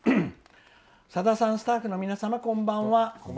「さださん、スタッフの皆さんこんばんは。